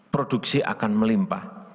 produksi akan melimpah